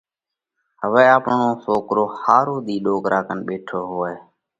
هوَئہ آپڻو سوڪرو ۿارو ۮِي ڏوڪرا ڪنَ ٻيٺو هوئه۔